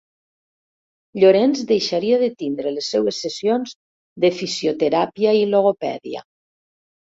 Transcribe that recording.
Llorenç deixaria de tindre les seues sessions de fisioteràpia i logopèdia.